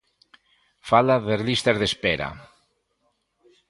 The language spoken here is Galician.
Fala das listas de espera.